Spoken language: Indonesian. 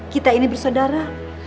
kita ini bersaudara